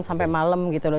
sampai malam gitu loh